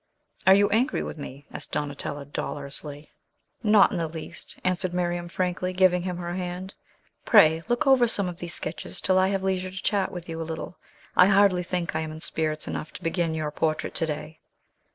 "Are you angry with me?" asked Donatello dolorously. "Not in the least," answered Miriam, frankly giving him her hand. "Pray look over some of these sketches till I have leisure to chat with you a little. I hardly think I am in spirits enough to begin your portrait to day."